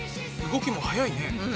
動きも速いね。